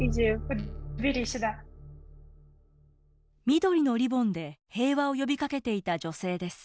緑のリボンで平和を呼びかけていた女性です。